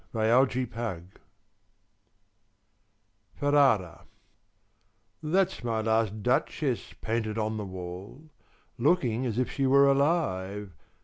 MY LAST DUCHESS Ferrara That's my last Duchess painted on the wall, Looking as if she were alive.